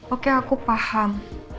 oke aku paham